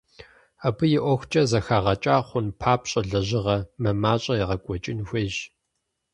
Абы и ӏуэхукӏэ зэхэгъэкӏа хъун папщӏэ лэжьыгъэ мымащӏэ егъэкӏуэкӏын хуейщ.